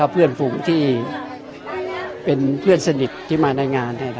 เพื่อนฝูงที่เป็นเพื่อนสนิทที่มาในงาน